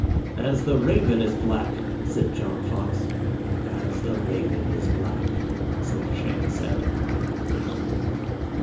"As the raven is black," said John Fox. "As the raven is black," Snettishane said.